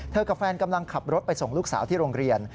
กับแฟนกำลังขับรถไปส่งลูกสาวที่โรงเรียน